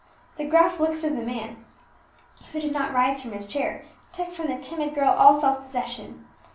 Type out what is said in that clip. The gruff looks of the man, who did not rise from his chair, took from the timid girl all self possession.